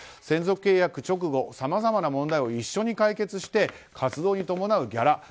専属契約直後さまざまな問題を一緒に解決して活動に伴うギャラ